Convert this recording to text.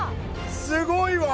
すごいわ！